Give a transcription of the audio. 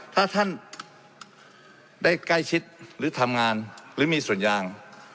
ถ้าท่านได้ใกล้ชิดหรือทำงานหรือมีส่วนยาง